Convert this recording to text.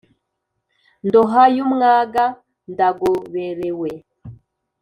ndoha y'umwaga ndagoberewe